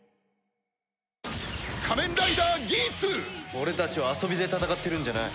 俺たちは遊びで戦ってるんじゃない。